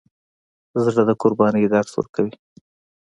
زړه د قربانۍ درس ورکوي.